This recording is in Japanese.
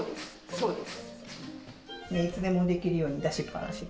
そうです。